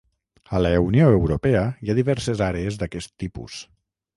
A la Unió Europea hi ha diverses àrees d'aquest tipus.